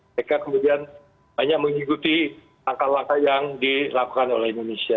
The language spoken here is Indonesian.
mereka kemudian banyak mengikuti langkah langkah yang dilakukan oleh indonesia